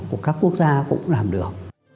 mà các quốc gia cũng làm được